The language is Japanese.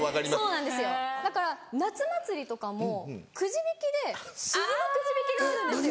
そうなんですよだから夏祭りとかもくじ引きで鈴のくじ引きがあるんですよ。